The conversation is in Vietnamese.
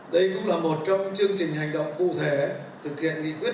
đây cũng là một trong những chương trình hành động cụ thể thực hiện nghị quyết